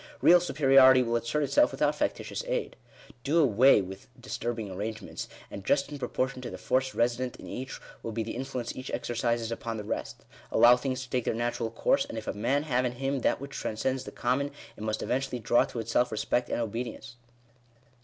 Beal supe riority will assert itself without factitious aid. Do away with * disturbing arrangements, and, just in proportion to the force resident in each, will be the influence each exercises upon the rest. Allow things to take their natural course, and if a man j have in him that which transcends the common, it must event ually draw to itself respect and obedience.